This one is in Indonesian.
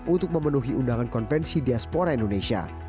untuk memenuhi undangan konvensi diaspora indonesia